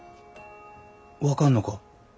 分かんのか？